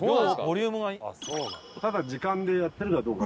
ただ時間でやってるかどうか。